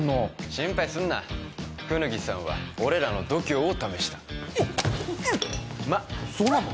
心配すんな功刀さんは俺らの度胸を試したおっうっそうなの？